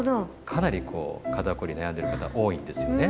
かなりこう肩こりに悩んでる方多いんですよね。